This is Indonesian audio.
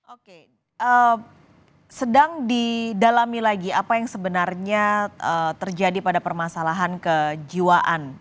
oke sedang didalami lagi apa yang sebenarnya terjadi pada permasalahan kejiwaan